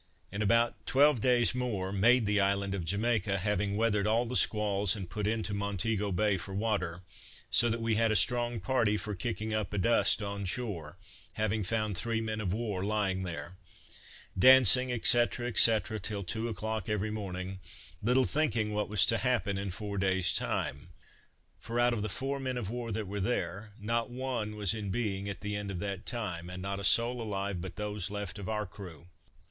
In about twelve days more made the island of Jamaica, having weathered all the squalls, and put into Montego Bay for water; so that we had a strong party for kicking up a dust on shore, having found three men of war lying there. Dancing, &c. &c. till two o'clock every morning; little thinking what was to happen in four days' time: for out of the four men of war that were there, not one was in being at the end of that time, and not a soul alive but those left of our crew.